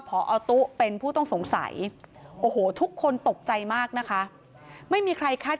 พอตุ๊เป็นผู้ต้องสงสัยโอ้โหทุกคนตกใจมากนะคะไม่มีใครคาด